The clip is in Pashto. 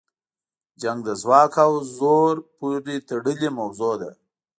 جنګ د ځواک او زوره پورې تړلې موضوع ده.